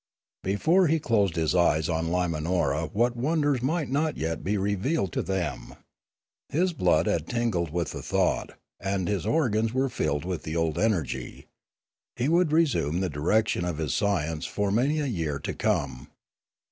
Before he closed his eyes on Limanora what wonders might not yet be revealed to them ? His blood had tingled with the thought, and his organs were filled with the old energy. He would resume the direction of his science for many a year to come.